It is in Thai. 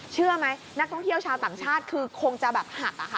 เชื่อไหมนักท่องเที่ยวชาวต่างชาติคือคงจะแบบหักอะค่ะ